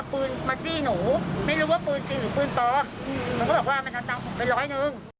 พอครูผู้ชายออกมาช่วยพอครูผู้ชายออกมาช่วย